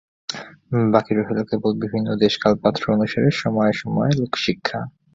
বাকী রহিল কেবল বিভিন্ন দেশ-কাল-পাত্র-অনুসারে সময়ে সময়ে লোকশিক্ষা।